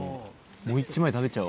もう１枚食べちゃおう。